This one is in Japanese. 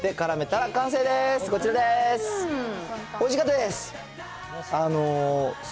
おいしかったです。